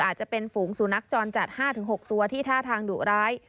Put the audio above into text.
อาจจะเป็นฝูงสุนัขจรจัด๕๖ตัวที่ท่าทางดุร้าย